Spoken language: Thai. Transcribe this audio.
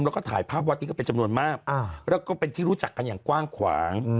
แล้วก็ถ่ายภาพวัดนี้ก็เป็นจำนวนมากแล้วก็เป็นที่รู้จักกันอย่างกว้างขวาง